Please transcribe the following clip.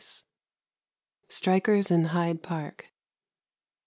IV. STRIKERS IN HYDE PARK.